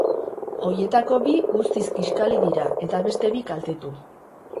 Horietako bi guztiz kiskali dira, eta beste bi kaltetu.